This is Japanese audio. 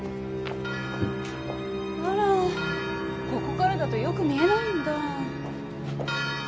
あらここからだとよく見えないんだ。